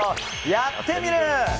「やってみる。」。